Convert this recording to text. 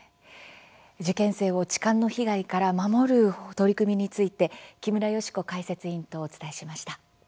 受験生を痴漢の被害から守る取り組みについて木村祥子解説委員とお伝えしました。